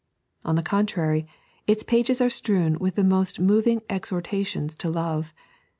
On the contrary, its pages are strewn with the most moving exhortations to Love.